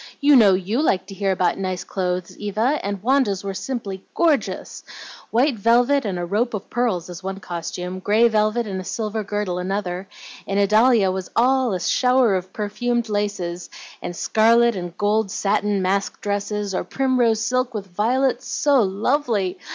"You know YOU like to hear about nice clothes, Eva, and Wanda's were simply gorgeous; white velvet and a rope of pearls is one costume; gray velvet and a silver girdle another; and Idalia was all a 'shower of perfumed laces,' and scarlet and gold satin mask dresses, or primrose silk with violets, so lovely!